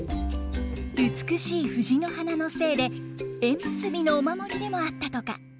美しい藤の花の精で縁結びのお守りでもあったとか。